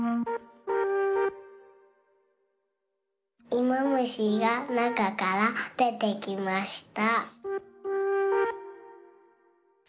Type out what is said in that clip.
いもむしがなかからでてきました。